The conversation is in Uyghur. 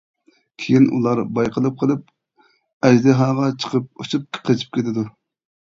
كېيىن ئۇلار بايقىلىپ قېلىپ ئەجدىھاغا چىقىپ ئۇچۇپ قېچىپ كېتىدۇ.